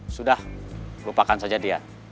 sudah lupakan saja dia